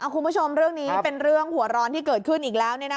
คุณผู้ชมเรื่องนี้เป็นเรื่องหัวร้อนที่เกิดขึ้นอีกแล้ว